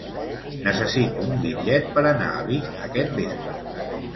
Necessito un bitllet per anar a Vic aquest vespre.